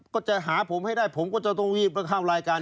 ก็จะหาผมให้ได้ผมก็จะต้องรีบเข้ารายการ